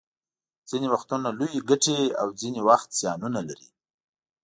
ځینې وختونه لویې ګټې او ځینې وخت زیانونه لري